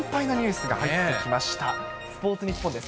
スポーツニッポンです。